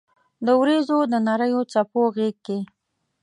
د اوریځو د نریو څپو غېږ کې